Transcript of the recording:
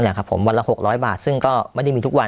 นั่นแหละครับผมวันละหกร้อยบาทซึ่งก็ไม่ได้มีทุกวันอ๋อ